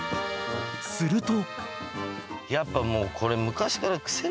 ［すると］